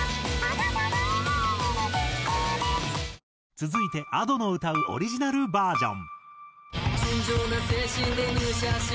続いてＡｄｏの歌うオリジナルバージョン。